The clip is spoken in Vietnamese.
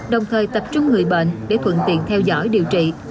đồng thời tập trung người bệnh để thuận tiện theo dõi điều trị